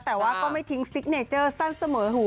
แต่ว่าก็ไม่ทิ้งซิกเนเจอร์สั้นเสมอหู